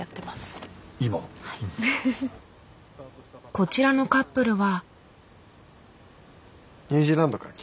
こちらのカップルは。